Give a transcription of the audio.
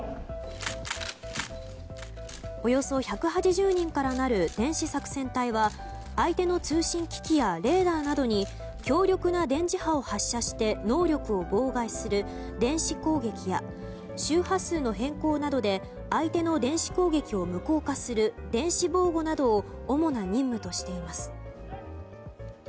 およそ１８０人からなる電子作戦隊は相手の通信機器やレーダーなどに強力な電磁波を発射して能力を妨害する電子攻撃や周波数の変更などで相手の電子攻撃を無効化する電子防護などを主な任務としています。